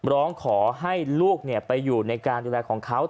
ร้องขอให้ลูกไปอยู่ในการดูแลของเขา